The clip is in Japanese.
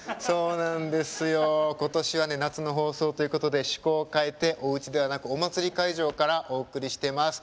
今年はね、夏の放送ということで趣向を変えて、おうちではなくお祭り会場からお送りしてます。